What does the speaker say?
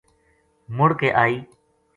مڑ کے آئی